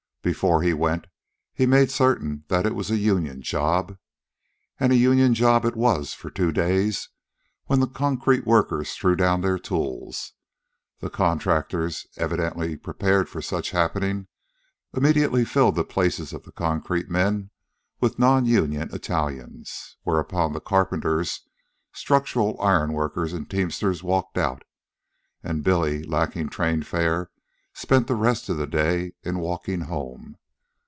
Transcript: Before he went he made certain that it was a union job. And a union job it was for two days, when the concrete workers threw down their tools. The contractors, evidently prepared for such happening, immediately filled the places of the concrete men with nonunion Italians. Whereupon the carpenters, structural ironworkers and teamsters walked out; and Billy, lacking train fare, spent the rest of the day in walking home.